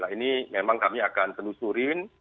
ini memang kami akan telusurin